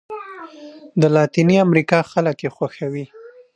د لاتیني امریکا خلک یې خوښوي.